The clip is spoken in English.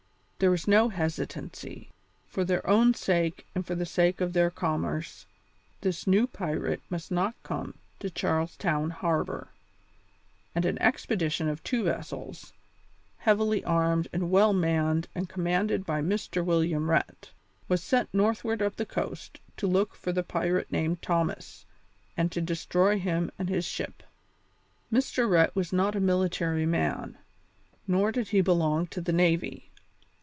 There was no hesitancy; for their own sake and for the sake of their commerce, this new pirate must not come to Charles Town harbour, and an expedition of two vessels, heavily armed and well manned and commanded by Mr. William Rhett, was sent northward up the coast to look for the pirate named Thomas and to destroy him and his ship. Mr. Rhett was not a military man, nor did he belong to the navy.